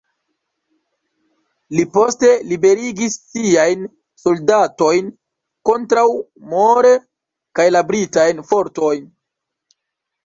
Li poste liberigis siajn soldatojn kontraŭ Moore kaj la Britajn fortojn.